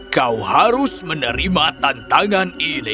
kau harus menerima tantangan ini